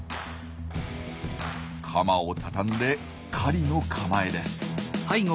カマを畳んで狩りの構えです。